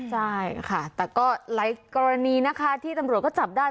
ใช่ค่ะแต่ก็หลายกรณีนะคะที่ตำรวจก็จับได้